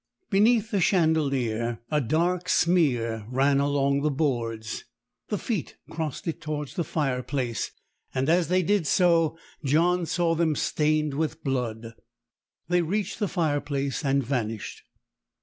Beneath the chandelier a dark smear ran along the boards. The feet crossed it towards the fireplace; and as they did so, John saw them stained with blood. They reached the fire place and vanished.